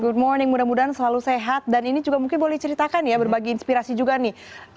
good morning mudah mudahan selalu sehat dan ini juga mungkin boleh diceritakan ya berbagi inspirasi juga nih